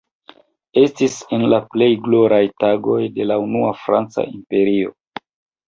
Estis en la plej gloraj tagoj de la unua franca imperio.